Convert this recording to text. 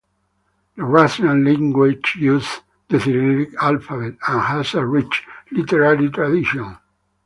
The Russian language uses the Cyrillic alphabet and has a rich literary tradition.